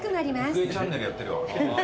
郁恵チャンネルやってるわ。